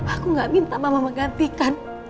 aku gak minta mama menggantikan